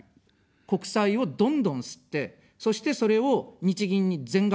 国債をどんどん刷って、そしてそれを日銀に全額、買わせる。